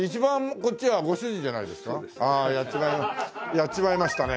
やっちまいましたね